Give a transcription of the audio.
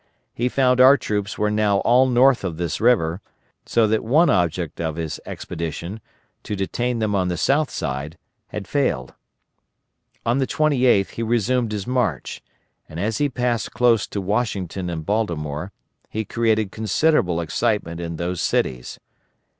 He found our troops were now all north of this river, so that one object of his expedition to detain them on the south side had failed. On the 28th he resumed his march, and as he passed close to Washington and Baltimore, he created considerable excitement in those cities.